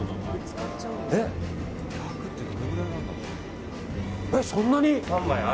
え、そんなに？